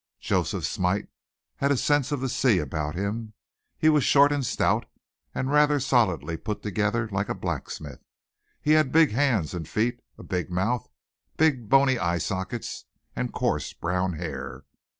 Joseph Smite had a sense of the sea about him. He was short and stout, and rather solidly put together, like a blacksmith. He had big hands and feet, a big mouth, big, bony eye sockets and coarse brown hair.